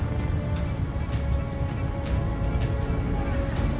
สวัสดีครับคุณผู้ชาย